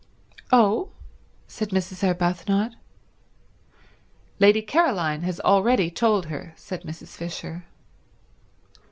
"Oh?" said Mrs. Arbuthnot. "Lady Caroline has already told her," said Mrs. Fisher.